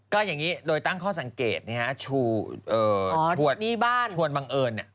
ก็อย่างนี้โดยตั้งข้อสังเกตชวนบังเอิญ